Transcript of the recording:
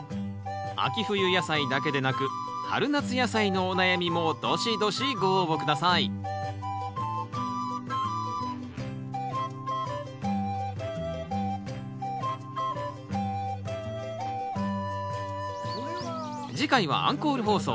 秋冬野菜だけでなく春夏野菜のお悩みもどしどしご応募下さい次回はアンコール放送